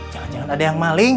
jangan jangan ada yang maling